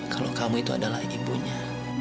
kalau kamu itu adalah ibunya